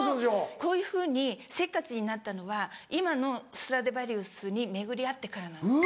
こういうふうにせっかちになったのは今のストラディバリウスに巡り合ってからなんですね。